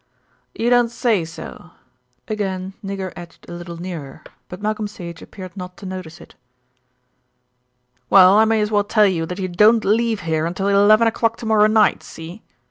"You don't say so." Again Nigger edged a little nearer; but Malcolm Sage appeared not to notice it. "Well, I may as well tell you that you don't leave here until eleven o'clock to morrow night, see?"